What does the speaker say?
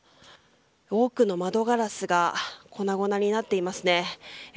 多くの窓ガラスが粉々になっていますね。